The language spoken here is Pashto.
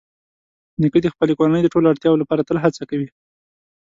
نیکه د خپلې کورنۍ د ټولو اړتیاوو لپاره تل هڅه کوي.